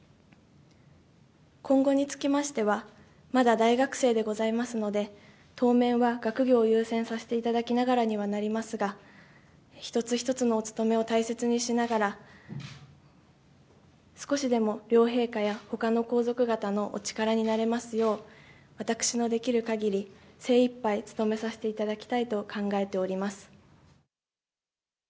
今後につきましては、まだ大学生でございますので、当面は学業を優先させていただきながらにはなりますが、一つ一つのお務めを大切にしながら、少しでも両陛下や、ほかの皇族方のお力になれますよう、私のできるかぎり、精いっぱい、務めさせていただきたいと考えております。